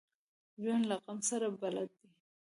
ژوندي له غم سره بلد دي